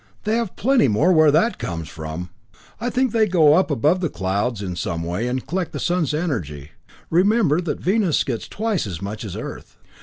They have plenty more where that comes from. "I think they go up above the clouds in some way and collect the sun's energy. Remember that Venus gets twice as much as Earth.